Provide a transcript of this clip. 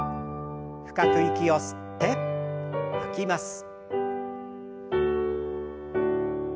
深く息を吸って吐きます。